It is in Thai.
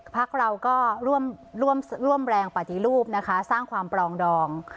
พักเราก็ร่วมแรงปฏิรูปนะคะสร้างความปลองดอง